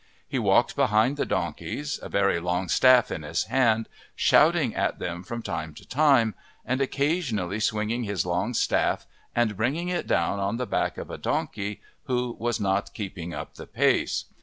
He walked behind the donkeys, a very long staff in his hand, shouting at them from time to time, and occasionally swinging his long staff and bringing it down on the back of a donkey who was not keeping up the pace.